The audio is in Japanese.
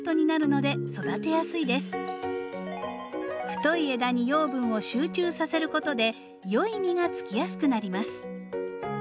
太い枝に養分を集中させることで良い実がつきやすくなります。